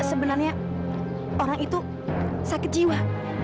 sebenarnya orang itu sakit jiwa